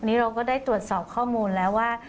นี่เราก็ได้ตรวจสอบข้อมูลแล้วว่า